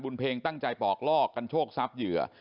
เพลงตั้งใจปอกลอกกันโชคทรัพย์เหยื่อ